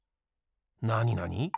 なになに？